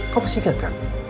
kamu pasti ingat kan